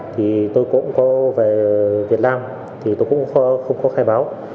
thì tôi cũng có về việt nam thì tôi cũng không có khai báo